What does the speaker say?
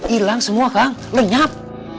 ilang semua kang lenyap